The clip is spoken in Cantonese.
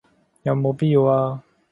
有冇必要啊